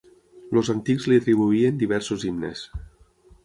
Els antics li atribuïen diversos himnes.